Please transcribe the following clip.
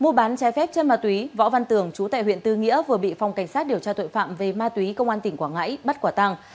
mua bán trái phép chân ma túy võ văn tường chú tại huyện tư nghĩa vừa bị phòng cảnh sát điều tra tội phạm về ma túy công an tỉnh quảng ngãi bắt quả tăng